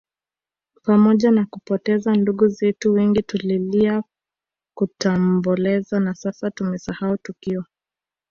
Pamoja na kupoteza ndugu zetu wengi tulilia tukaomboleza na sasa tumesahau tukio